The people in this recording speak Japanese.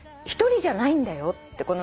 １人じゃないんだよって。